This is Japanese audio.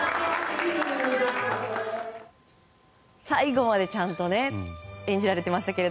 最後までちゃんと演じられていました。